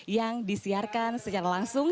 yang disiarkan secara langsung